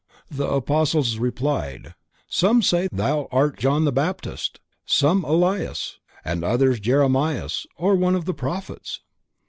The Apostles replied: "Some say that Thou art John the Baptist; some, Elias; and others Jeremias or one of the Prophets."